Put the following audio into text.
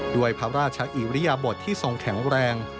ด้วยพระราชอิริยบทที่ทรงแข็งแรง